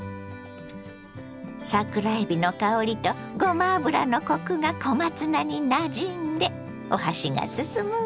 桜えびの香りとごま油のコクが小松菜になじんでお箸が進むわ。